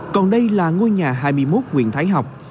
còn đây là ngôi nhà hai mươi một nguyễn thái học